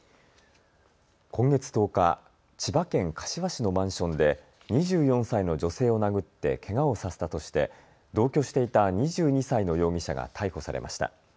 今月１０日、千葉県柏市のマンションで２４歳の女性を殴って、けがをさせたとして同居していた２２歳の容疑者が逮捕されました。